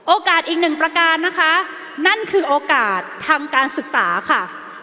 อีกหนึ่งประการนะคะนั่นคือโอกาสทางการศึกษาค่ะ